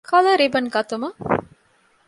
ކަލަރ ރިބަން ގަތުމަށް